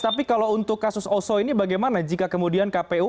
tapi kalau untuk kasus oso ini bagaimana jika kemudian kpu